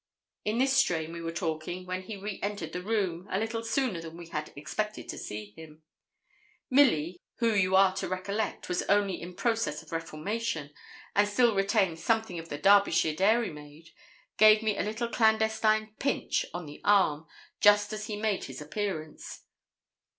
In this strain were we talking when he re entered the room, a little sooner than we had expected to see him. Milly, who, you are to recollect, was only in process of reformation, and still retained something of the Derbyshire dairymaid, gave me a little clandestine pinch on the arm just as he made his appearance.